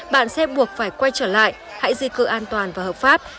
bạn sẽ buộc phải quay trở lại hãy di cư an toàn và hợp pháp